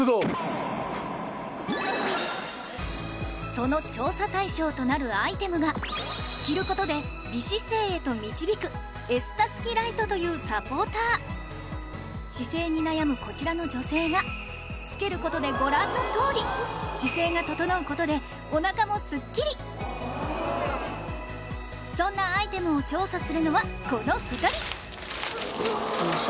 その調査対象となるアイテムが着ることで美姿勢へと導くというサポーター姿勢に悩むこちらの女性が着けることでご覧の通り姿勢が整うことでお腹もスッキリそんなアイテムを調査するのはこの２人あのさ。